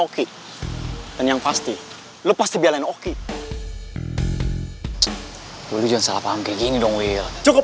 oke dan yang pasti lu pasti bialain oke dulu jangan salah paham kayak gini dong will cukup